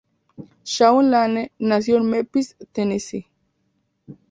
Shawn Lane nació en Memphis, Tennessee.